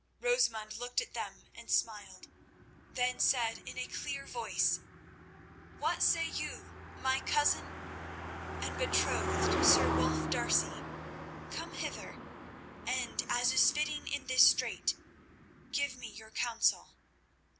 Rosamund looked at them and smiled, then said in a clear voice: "What say you, my cousin and betrothed, Sir Wulf D'Arcy? Come hither, and, as is fitting in this strait, give me your counsel."